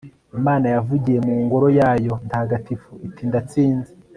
imana yavugiye mu ngoro yayo ntagatifu, iti ndatsinze